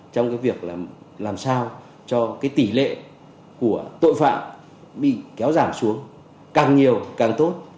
trong việc làm sao cho tỷ lệ của tội phạm bị kéo giảm xuống càng nhiều càng tốt